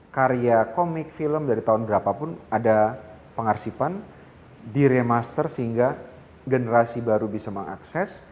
karya komik film dari tahun berapa pun ada pengarsipan di remaster sehingga generasi baru bisa mengakses